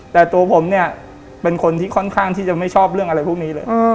แต่ตัวผมเนี่ยเป็นคนที่ค่อนข้างที่จะไม่ชอบเรื่องอะไรพวกนี้เลย